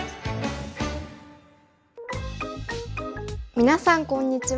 皆さんこんにちは。